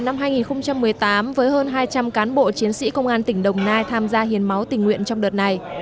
năm hai nghìn một mươi tám với hơn hai trăm linh cán bộ chiến sĩ công an tỉnh đồng nai tham gia hiến máu tình nguyện trong đợt này